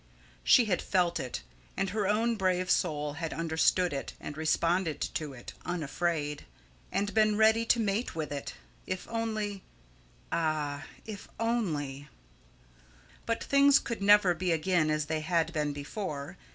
She had felt it, and her own brave soul had understood it and responded to it, unafraid; and been ready to mate with it, if only ah! if only But things could never be again as they had been before.